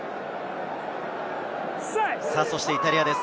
そしてイタリアです。